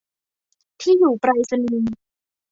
ที่อยู่ไปรษณีย์